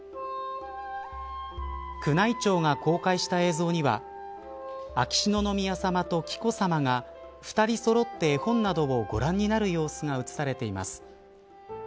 宮内庁が公開した映像には秋篠宮さまと紀子さまが２人そろって絵本などをご覧になる様子が映されています。